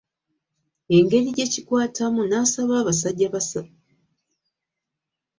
Engeri gye kikwatamu n'asaba abantu ba Ssaabasajja okukyerinda